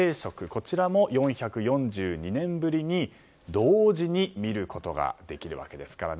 こちらも４４２年ぶりに同時に見ることができるわけですから。